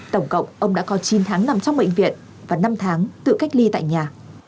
tổng cộng ông đã có chín tháng nằm trong bệnh viện và năm tháng tự cách ly tại nhà